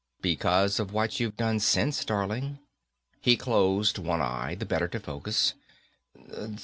"Because of what you've done since, darling." He closed one eye, the better to focus.